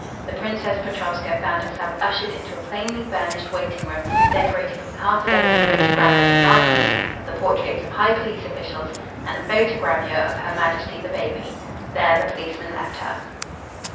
The Princess Petrovska found herself ushered into a plainly furnished waiting room, decorated with half a dozen photographic enlargements of the portraits of high police officials and a photogravure of "Her Majesty the Baby." There the policeman left her.